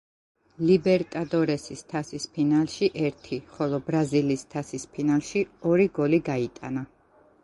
ლიბერტადორესის თასის ფინალში ერთი, ხოლო ბრაზილიის თასის ფინალში ორი გოლი გაიტანა.